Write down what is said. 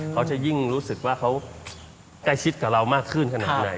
เขาจะยิ่งรู้สึกว่าเขาใกล้ชิดกับเรามากขึ้นขนาดไหน